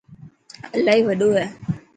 الاهي وڏو هي.